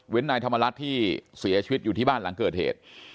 นายธรรมรัฐที่เสียชีวิตอยู่ที่บ้านหลังเกิดเหตุ